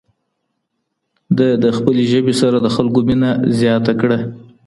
ده د خپلې ژبې سره د خلکو مينه زياته کړه